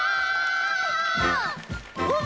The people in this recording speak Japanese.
うわ！